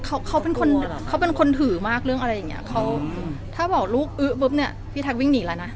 เขาเขาเป็นคนเขาเป็นคนถือมากเรื่องอะไรอย่างเงี้ยเขาถ้าบอกลูกอื้อปุ๊บเนี้ยพี่แท็กวิ่งหนีแล้วนะ